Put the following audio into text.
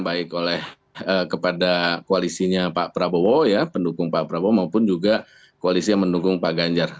baik oleh kepada koalisinya pak prabowo ya pendukung pak prabowo maupun juga koalisi yang mendukung pak ganjar